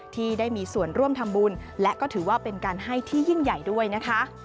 ที่ได้มีส่วนร่วมทำบุญและก็ถือว่าเป็นการให้ที่ยิ่งใหญ่ด้วยนะคะ